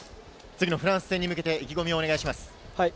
次のフランス戦に向けて意気込みをお願いします。